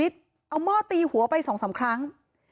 เขาไปสองสามครั้ง